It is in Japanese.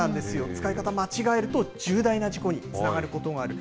使い方、間違えると重大な事故につながることがある。